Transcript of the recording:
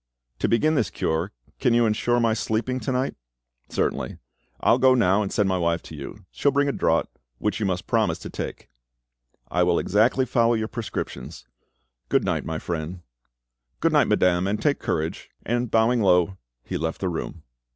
"To begin this cure, can you ensure my sleeping to night?" "Certainly. I will go now, and send my wife to you. She will bring a draught, which you must promise to take." "I will exactly follow your prescriptions. Goodnight, my friend." "Good night, madame; and take courage"; and bowing low, he left the room.